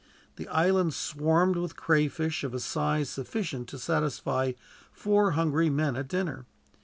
This island swarmed with crayfish, of a size sufficient to satisfy four hungry men at dinner.